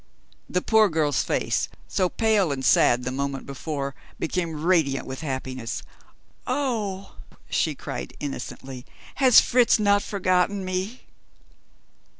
The poor girl's face, so pale and sad the moment before, became radiant with happiness. "Oh!" she cried innocently, "has Fritz not forgotten me?"